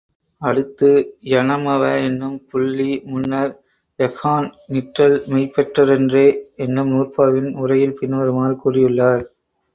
அடுத்து ஞநமவ என்னும் புள்ளி முன்னர் யஃகான் நிற்றல் மெய்பெற் றன்றே என்னும் நூற்பாவின் உரையில் பின்வருமாறு கூறியுள்ளார்.